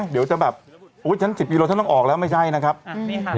เดี๋ยวจะแบบโอ้ยฉัน๑๐กิโลฉันต้องออกแล้วไม่ใช่นะครับ